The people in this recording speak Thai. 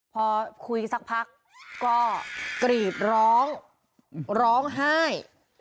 พอคุยสักพักก็กรีดร้องร้องไห้